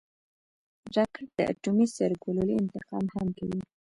راکټ د اټومي سرګلولې انتقال هم کوي